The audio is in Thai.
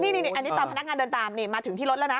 นี่อันนี้ตอนพนักงานเดินตามนี่มาถึงที่รถแล้วนะ